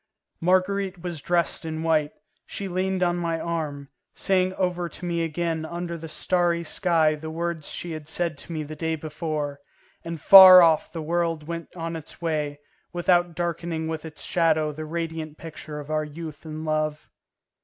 Marguerite was dressed in white, she leaned on my arm, saying over to me again under the starry sky the words she had said to me the day before, and far off the world went on its way, without darkening with its shadow the radiant picture of our youth and love.